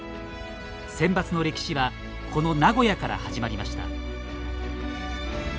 センバツの歴史はこの名古屋から始まりました。